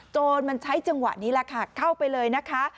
จนมันใช้จังหวะนี้แหละค่ะเข้าไปเลยนะคะ